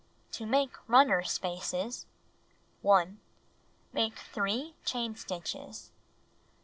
To Make Runner Spaces 1. Make 3 chain stitches.